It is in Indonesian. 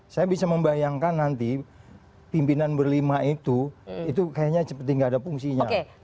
saya bisa membayangkan nanti pimpinan berlima itu itu kayaknya seperti nggak ada fungsinya